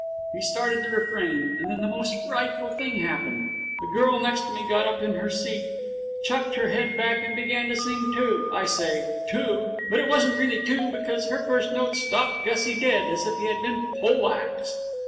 He started the refrain, and then the most frightful thing happened. The girl next to me got up in her seat, chucked her head back, and began to sing too. I say 'too', but it wasn't really too, because her first note stopped Gussie dead, as if he had been pole axed.